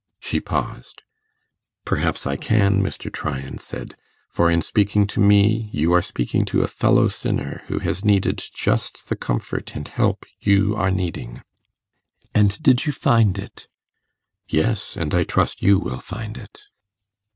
She paused. 'Perhaps I can,' Mr. Tryan said, 'for in speaking to me you are speaking to a fellow sinner who has needed just the comfort and help you are needing.' 'And you did find it?' 'Yes; and I trust you will find it.